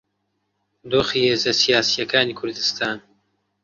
دۆخی هێزە سیاسییەکانی کوردستان